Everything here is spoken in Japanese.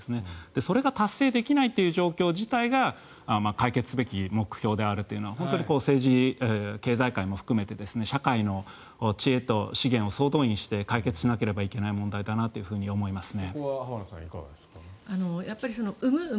それが達成できないという状況自体が解決すべき目標であるというのは本当に政治・経済界も含めて社会の知恵と資源を総動員して解決しなければいけない問題だと思いますね。